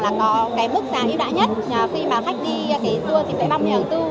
là có cái mức giá ưu đại nhất khi mà khách đi cái tour thì phải băng mê hướng tư